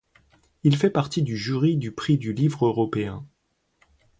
Il fait partie du jury du prix du Livre européen.